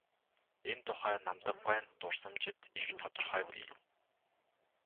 Энэ тухай Намдаг гуайн дурсамжид их тодорхой бий.